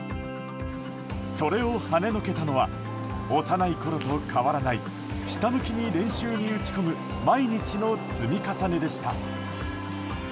それをはねのけたのは幼いころと変わらないひたむきに練習に打ち込む毎日の積み重ねでした。